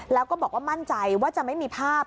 แล้วก็บอกว่ามั่นใจว่าจะไม่มีภาพ